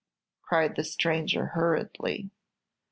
cried the stranger, hurriedly.